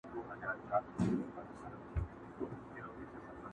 پوهنتون د میني ولوله که غواړې،